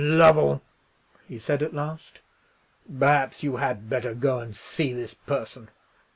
"Lovell," he said at last, "perhaps you had better go and see this person.